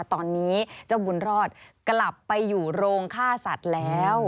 ตอนนี้เจ้าบุญรอดกลับไปอยู่โรงฆ่าสัตว์แล้ว